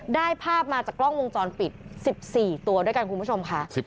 ภาพมาจากกล้องวงจรปิด๑๔ตัวด้วยกันคุณผู้ชมค่ะ